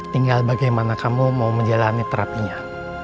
tinggal bagaimana kamu mau menjalani terapinya